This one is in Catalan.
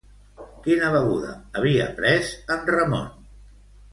Quina beguda havia pres en Ramon?